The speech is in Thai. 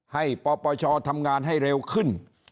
ปปชทำงานให้เร็วขึ้น